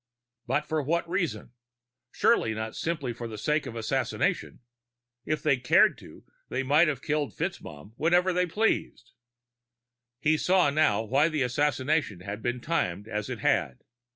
But for what reason? Surely, not simply for the sake of assassination. Had they cared to, they might have killed FitzMaugham whenever they pleased. He saw now why the assassination had been timed as it had.